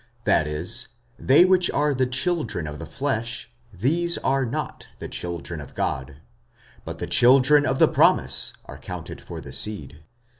45:009:008 That is, They which are the children of the flesh, these are not the children of God: but the children of the promise are counted for the seed.